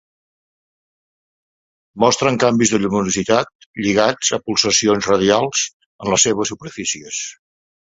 Mostren canvis de lluminositat lligats a pulsacions radials en les seves superfícies.